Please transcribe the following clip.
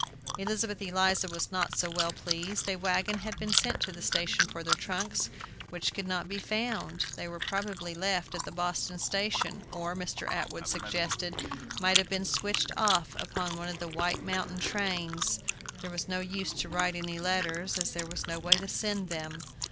Elizabeth Eliza was not so well pleased. A wagon had been sent to the station for their trunks, which could not be found; they were probably left at the Boston station, or, Mr. Atwood suggested, might have been switched off upon one of the White Mountain trains. There was no use to write any letters, as there was no way to send them.